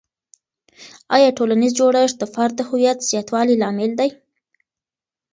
آیا ټولنیز جوړښت د فرد د هویت زیاتوالي لامل دی؟